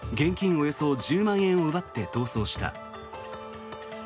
およそ１０万円を奪って逃走した。